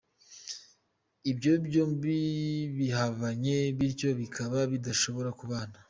Ibi byombi birahabanye, bityo bikaba bidashobora kubana.